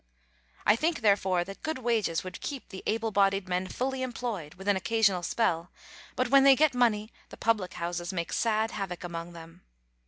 I think, therefore, that good wages would keep the able bodied men fully employed, with an occasional spell, but when they get money the public houses make sad havoc among them.